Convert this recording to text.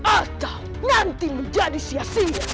atau nanti menjadi sia sia